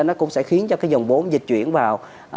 nó cũng sẽ khiến cho cái dòng vốn dịch chuyển vào